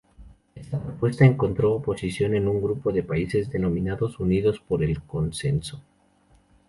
Esta propuesta encontró oposición en un grupo de países denominado Unidos por el Consenso.